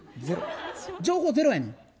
情報ゼロやねん。